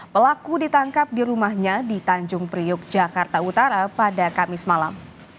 pelaku ditangkap di rumahnya di tanjung priuk jakarta utara pada kamis malam